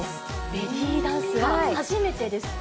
ベリーダンスは初めてですか？